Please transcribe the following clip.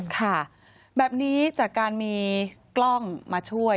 ค่ะแบบนี้จากการมีกล้องมาช่วย